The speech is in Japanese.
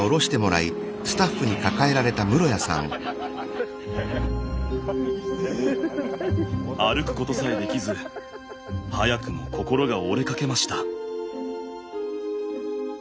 ええっ⁉歩くことさえできず早くも心が折れかけました。